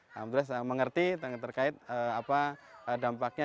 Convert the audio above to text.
alhamdulillah saya mengerti terkait apa dampaknya